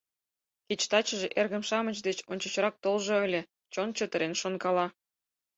«Кеч тачыже эргым-шамыч деч ончычрак толжо ыле, — чон чытырен шонкала.